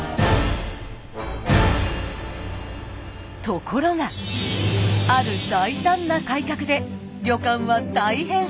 ところがある大胆な改革で旅館は大変身！